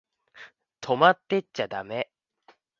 泊まってっちゃだめ？